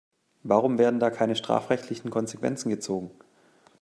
Warum werden da keine strafrechtlichen Konsequenzen gezogen?